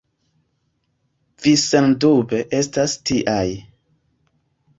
Vi sendube estas tiaj.